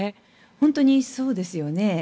本当にそうですよね。